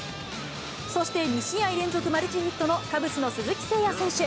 そして２試合連続マルチヒットのカブスの鈴木誠也選手。